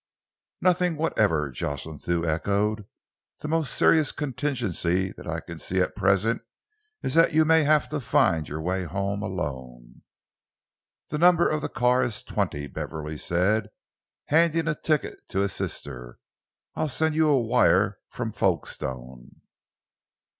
"Nothing whatever," Jocelyn Thew echoed. "The most serious contingency that I can see at present is that you may have to find your way home alone." "The number of the car is twenty," Beverley said, handing a ticket to his sister. "I'll send you a wire from Folkestone."